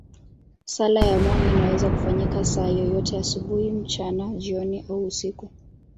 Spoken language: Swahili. Sala ya moyo inaweza kufanyika saa yoyote, asubuhi, mchana, jioni au usiku.